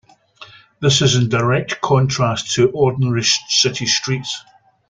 This is in direct contrast to ordinary city streets.